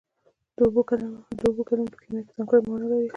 د اوبو کلمه په کیمیا کې ځانګړې مانا لري